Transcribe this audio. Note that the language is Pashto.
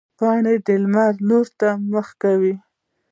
پاڼې د لمر لوري ته مخ کوي